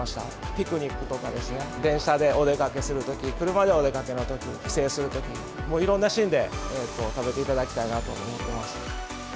ピクニックとかですね、電車でお出かけするとき、車でお出かけのとき、帰省するとき、いろんなシーンで食べていただきたいなと思ってます。